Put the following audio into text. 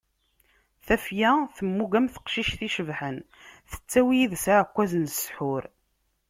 Tafya temmug am teqcict icebḥen, tettawi yid-s aɛekkaz n ssḥur.